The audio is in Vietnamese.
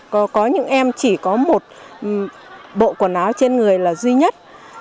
có những em chỉ có một bộ quần áo trên người là duy nhất